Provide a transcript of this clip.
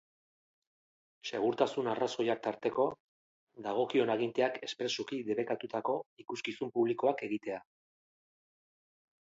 Segurtasun arrazoiak tarteko, dagokion aginteak espresuki debekatutako ikuskizun publikoak egitea.